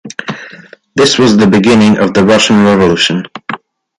This was the beginning of the Russian Revolution.